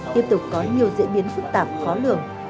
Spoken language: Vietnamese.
tiếp tục có nhiều diễn biến phức tạp khó lường